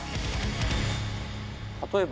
例えば。